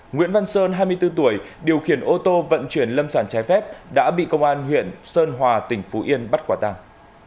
nguyễn văn sơn hai mươi bốn tuổi điều khiển ô tô vận chuyển lâm sản trái phép đã bị công an huyện sơn hòa tỉnh phú yên bắt quả tàng